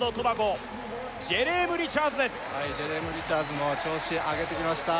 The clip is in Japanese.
はいジェレーム・リチャーズも調子上げてきました